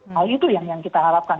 hal itu yang kita harapkan